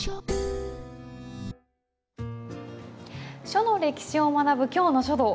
書の歴史を学ぶ今日の書道。